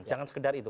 jangan sekedar itu